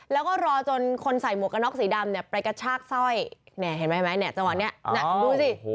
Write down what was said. แล้วก็รอจนคนใส่หมวกกระน็อกสีดำเนี่ยไปกระชากสร้อยไหนเห็นไหมไหมแผ่นตะวันเนี่ยดูสิ